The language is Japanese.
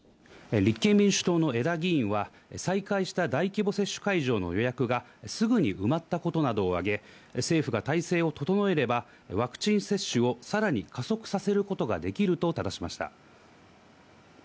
立憲民主党の江田議員は、再開した大規模接種会場の予約がすぐに埋まったことなどを挙げ、政府が体制を整えれば、ワクチン接種をさらに加速させることができるとただしました。